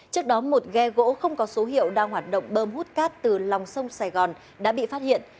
trước đó một ghe gỗ không có số hiệu đang hoạt động bơm hút cát từ lòng sông sài gòn đã bị phát hiện